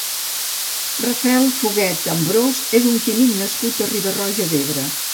Rafael Foguet Ambrós és un químic nascut a Riba-roja d'Ebre.